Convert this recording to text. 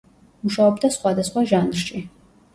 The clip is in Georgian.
მუშაობდა სხვადასხვა ჟანრში.